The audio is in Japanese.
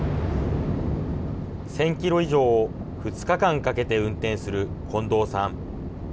１０００キロ以上を２日間かけて運転する近藤さん。